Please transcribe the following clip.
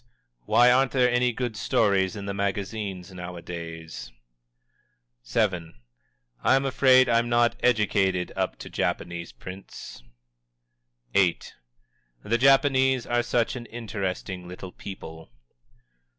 "Why aren't there any good stories in the magazines, nowadays?" VII. "I'm afraid I'm not educated up to Japanese prints." VIII. "_The Japanese are such an interesting little people!